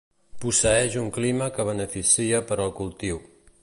Posseeix un clima que beneficia per al cultiu.